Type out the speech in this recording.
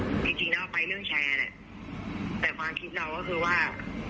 จริงจริงแล้วไปเรื่องแชร์แหละแต่ความคิดเราก็คือว่า